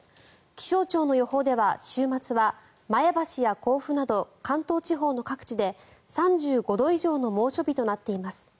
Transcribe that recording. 気象庁の予報では週末は前橋や甲府など関東地方の各地で３５度以上の猛暑日となっています。